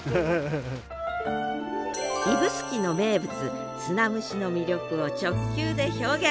指宿の名物砂蒸しの魅力を直球で表現。